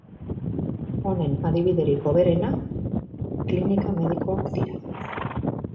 Honen adibiderik hoberena klinika medikoak dira.